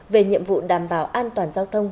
về nhiệm vụ đảm bảo an toàn giao thông